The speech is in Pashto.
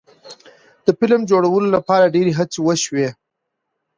د فلم جوړولو لپاره ډیرې هڅې وشوې.